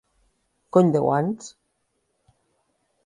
Cony de guants!